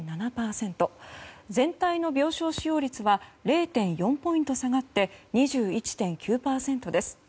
全体の病床使用率は０．４ポイント下がって２１．９％です。